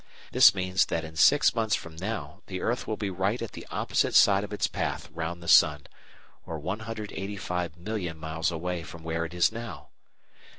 This means that in six months from now the earth will be right at the opposite side of its path round the sun, or 185,000,000 miles away from where it is now.